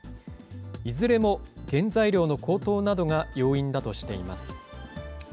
いずれも原材料の高騰などが要因だとしています。